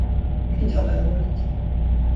I can tell by your loyalty.